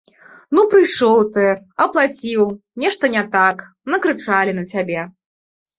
Ну, прыйшоў ты, аплаціў, нешта не так, накрычалі на цябе.